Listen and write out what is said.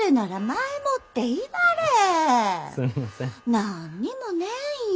何にもねえんよ。